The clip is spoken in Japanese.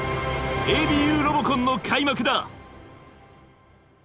ＡＢＵロボコンの開幕だ！